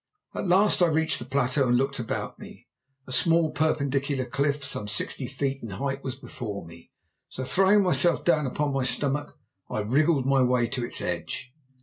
At last I reached the plateau and looked about me. A small perpendicular cliff, some sixty feet in height, was before me, so throwing myself down upon my stomach, I wriggled my way to its edge.